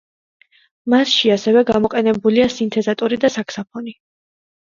მასში ასევე გამოყენებულია სინთეზატორი და საქსოფონი.